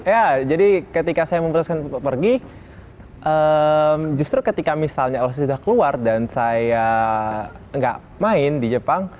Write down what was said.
ya jadi ketika saya memutuskan untuk pergi justru ketika misalnya osi sudah keluar dan saya nggak main di jepang